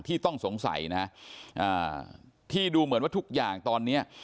ต้องสงสัยนะอ่าที่ดูเหมือนว่าทุกอย่างตอนเนี้ย